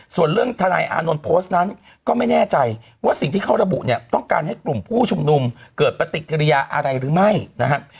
ส่วนเรื่องทนายอานนท์โพสต์นั้นก็ไม่แน่ใจว่าสิ่งที่เขาระบุเนี่ยต้องการให้กลุ่มผู้ชุมนุมเกิดปฏิกิริยาอะไรหรือไม่นะครับ